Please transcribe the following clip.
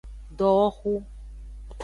Dowoxu.